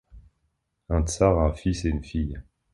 Un tsar a un fils et une fille.